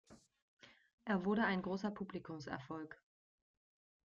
Er wurde ein großer Publikumserfolg.